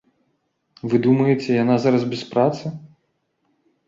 Вы думаеце, яна зараз без працы?